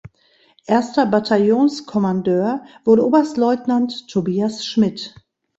Erster Bataillonskommandeur wurde Oberstleutnant Tobias Schmidt.